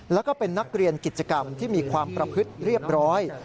แล้วก็เป็นนักเรียนกิจกรรมที่มีความประพฤติเรียบร้อย